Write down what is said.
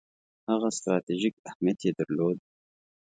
هغه ستراتیژیک اهمیت یې درلود.